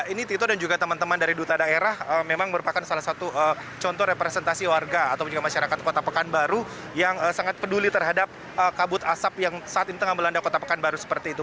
ini tito dan juga teman teman dari duta daerah memang merupakan salah satu contoh representasi warga atau juga masyarakat kota pekanbaru yang sangat peduli terhadap kabut asap yang saat ini tengah melanda kota pekanbaru seperti itu